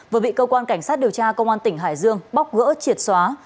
vừa bị cơ quan cảnh sát điều tra công an tỉnh hải dương bóc gỡ triệt xóa